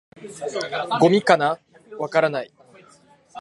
「ゴミかな？」「わからない」